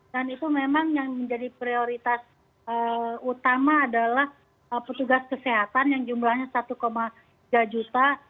dan itu memang yang menjadi prioritas utama adalah petugas kesehatan yang jumlahnya satu tiga juta